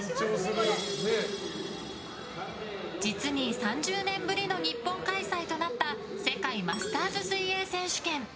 実に３０年ぶりの日本開催となった世界マスターズ水泳選手権。